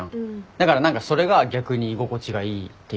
だから何かそれが逆に居心地がいいっていうか。